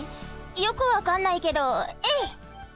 よくわかんないけどえいっ！